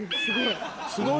すごい。